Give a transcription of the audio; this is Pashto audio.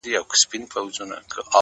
تیاره وریځ ده; باد دی باران دی;